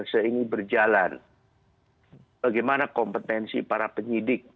bagaimana seseorang yang berjalan bagaimana kompetensi para penyidik